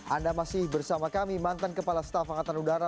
anda masih bersama kami mantan kepala staf angkatan udara